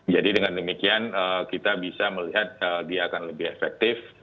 jadi dengan demikian kita bisa melihat dia akan lebih efektif